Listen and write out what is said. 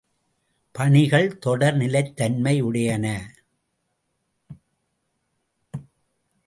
பணிகள் தொடர் நிலைத் தன்மையுடையன.